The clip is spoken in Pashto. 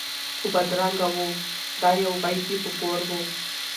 خو بدرنګه وو دا یو عیب یې په کور وو